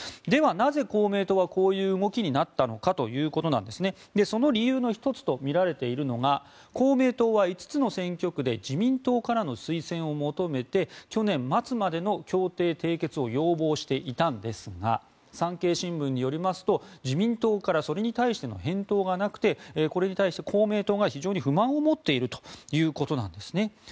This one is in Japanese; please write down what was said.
ではなぜ公明党はこういう動きになったのかということですがその理由の１つとみられているのが公明党は５つの選挙区で自民党からの推薦を求めて去年末までの協定締結を要望していたんですが産経新聞によりますと自民党からそれに対しての返答がなくてこれに対して公明党が非常に不満を持っているということです。